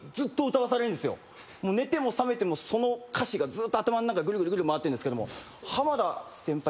寝ても覚めてもその歌詞がずーっと頭の中ぐるぐるぐるぐる回ってんですけども。